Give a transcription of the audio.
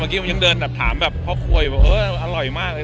เมื่อกี้ผมยังเดินแบบถามเพราะคุยว่าร้อยมากเลย